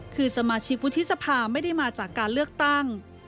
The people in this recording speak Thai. คือสมาชิกวุฒิสภาไม่ได้มาจากการเลือกตั้ง